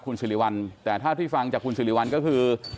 คุณศรีวรรณแต่ถ้าที่ฟังจากคุณศรีวรรณก็คือ